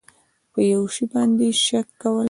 په یو شي باندې شک کول